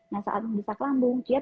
nah saat mendesak lambung kiat